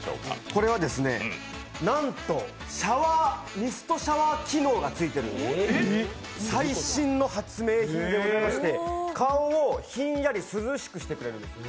これは、なんとミストシャワー機能がついている最新の発明品でございまして顔をひんやり涼しくしてくれるんです。